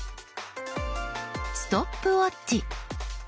ストップウォッチ。